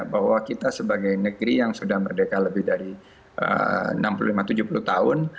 bahwa kita sebagai negeri yang sudah merdeka lebih dari enam puluh lima tujuh puluh tahun